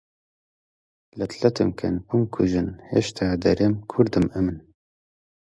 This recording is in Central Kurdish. لەت لەتم کەن، بمکوژن، هێشتا دەڵێم کوردم ئەمن